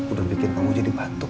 udah bikin kamu jadi batuk